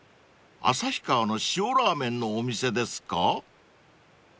旭川の塩ラーメンのお店ですか？］